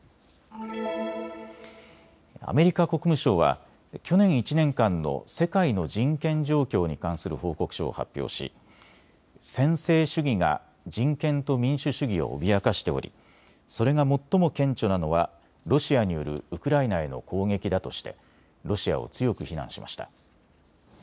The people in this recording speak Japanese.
アメリカ国務省は去年１年間の世界の人権状況に関する報告書を発表し専制主義が人権と民主主義を脅かしておりそれが最も顕著なのはロシアによるウクライナへの攻撃だとしてロシアを強く非難しました。